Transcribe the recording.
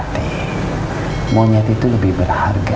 tapi monyet itu lebih berharga